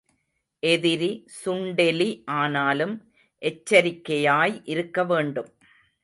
எதிரி சுண்டெலி ஆனாலும் எச்சரிக்கையாய் இருக்க வேண்டும்.